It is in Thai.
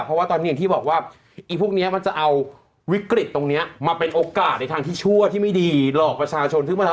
เพราะว่าตอนนี้อย่างที่บอกว่าไอ้พวกนี้มันจะเอาวิกฤตตรงนี้มาเป็นโอกาสในทางที่ชั่วที่ไม่ดีหลอกประชาชนขึ้นมา